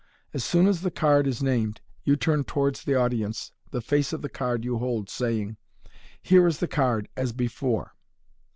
As soon as the card is named, you turn towards the audience the face 66 MODERN MAGIC of the card you hold, saying, " Here is the card, as before."